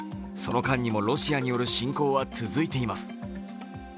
その間にもロシアによる侵攻は続いています。